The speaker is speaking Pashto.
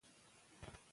موږ حل ټاکلی دی.